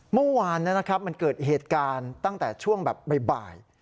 เมื่อวานนะครับมันเกิดเหตุการณ์ตั้งแต่ช่วงแบบบ่าย